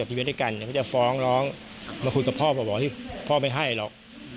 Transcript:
มับคุยด้วยกับพ่อแล้วบอกพ่อปลอดภัณฑ์ไม่ให้หรอก